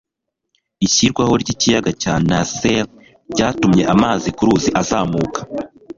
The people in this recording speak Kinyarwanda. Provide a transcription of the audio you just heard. ishyirwaho ry'ikiyaga cya nasser ryatumye amazi ku ruzi azamuka